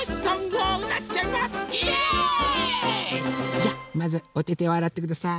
じゃまずおててをあらってください。